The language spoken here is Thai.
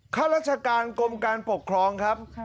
ข้าราชการกรมการปกครองครับ